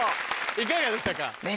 いかがでしたか？